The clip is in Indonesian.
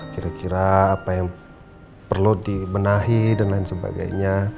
kira kira apa yang perlu dibenahi dan lain sebagainya